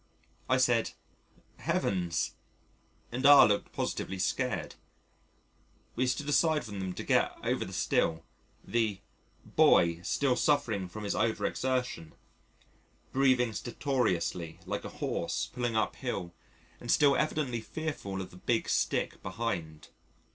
I said, "Heavens," and R looked positively scared. We stood aside for them to get over the stile, the "boy" still suffering from his over exertion, breathing stertorously like a horse pulling uphill and still evidently fearful of the big stick behind.